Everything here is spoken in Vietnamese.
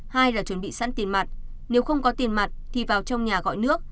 hai là chuẩn bị sẵn tiền mặt nếu không có tiền mặt thì vào trong nhà gọi nước